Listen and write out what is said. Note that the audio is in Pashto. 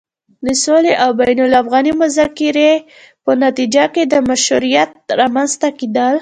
د سولې او بين الافغاني مذاکرې په نتيجه کې د مشروعيت رامنځته کېدل